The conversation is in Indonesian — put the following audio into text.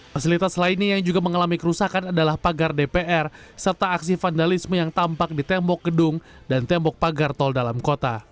fasilitas lainnya yang juga mengalami kerusakan adalah pagar dpr serta aksi vandalisme yang tampak di tembok gedung dan tembok pagar tol dalam kota